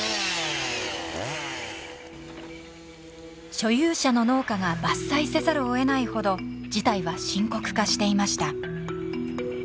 所有者の農家が伐採せざるをえないほど事態は深刻化していました。